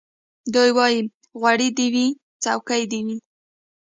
دی وايي غوړي دي وي څوکۍ دي وي